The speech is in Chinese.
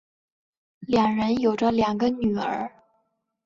两人有着两个女儿。